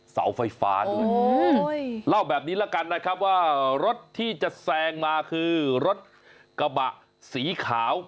เสาไฟฟ้าด้วยเล่าแบบนี้ละกันนะครับว่ารถที่จะแซงมาคือรถกระบะสีขาว